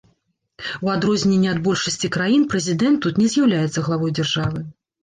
У адрозненне ад большасці краін, прэзідэнт тут не з'яўляецца главой дзяржавы.